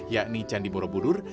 yakni candi borobudur